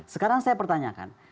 sekarang saya pertanyakan